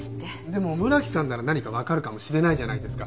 でも村木さんなら何かわかるかもしれないじゃないですか。